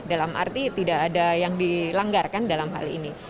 dalam arti tidak ada yang dilanggar kan dalam hal ini